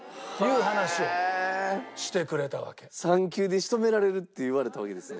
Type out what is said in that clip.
３球で仕留められるって言われたわけですよね。